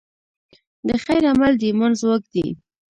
د خیر عمل د ایمان ځواک دی.